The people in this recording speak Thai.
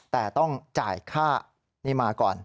แต่ต้องจ่ายค่านี่มาก่อน